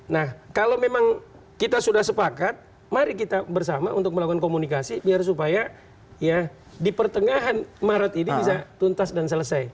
nah kalau memang kita sudah sepakat mari kita bersama untuk melakukan komunikasi biar supaya ya di pertengahan maret ini bisa tuntas dan selesai